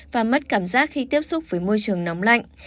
và mất cảm giác khi tiếp xúc với môi trường nóng lạnh